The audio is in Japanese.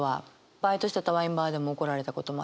バイトしてたワインバーでも怒られたこともありますし。